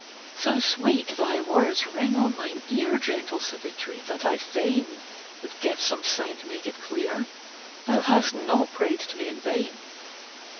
"So sweet thy words ring on mine ear, Gentle Savitri, that I fain Would give some sign to make it clear Thou hast not prayed to me in vain.